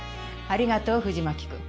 ありがとう藤巻君。